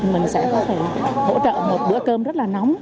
mình sẽ có thể hỗ trợ một bữa cơm rất là nóng